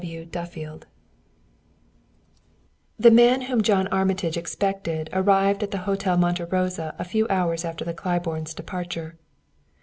S.W. Duffield. The man whom John Armitage expected arrived at the Hotel Monte Rosa a few hours after the Claibornes' departure.